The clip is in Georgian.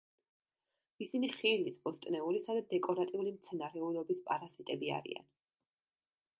ისინი ხილის, ბოსტნეულისა და დეკორატიული მცენარეულობის პარაზიტები არიან.